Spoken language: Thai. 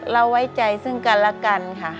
ไว้ใจซึ่งกันและกันค่ะ